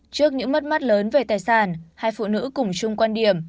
trước những mất mát lớn về tài sản hai phụ nữ cùng chung quan điểm